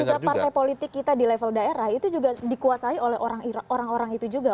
ketika partai politik kita di level daerah itu juga dikuasai oleh orang orang itu juga